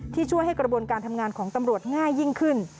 ช่วยให้กระบวนการทำงานของตำรวจง่ายยิ่งขึ้น